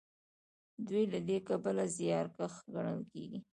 دوی له دې کبله زیارکښ ګڼل کیږي.